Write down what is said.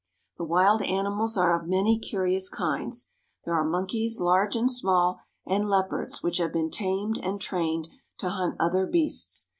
The wild animals are of many curious kinds. There are monkeys, large and small, and leopards which have been tamed and trained to hunt other beasts.